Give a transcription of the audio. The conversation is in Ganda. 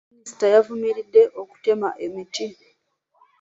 Minisita yavumiridde okutema emiti .